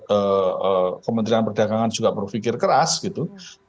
eee kementerian perdagangan juga berpikir keras gitu